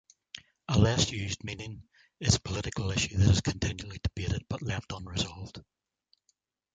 A less-used meaning, is a political issue that is continually debated but left unresolved.